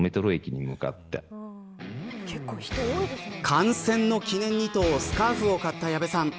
観戦の記念にとスカーフを買った矢部さん。